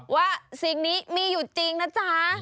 ว่าสิ่งนี้มีอยู่จริงนะจ๊ะ